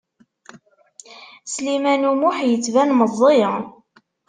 Sliman U Muḥ yettban meẓẓi.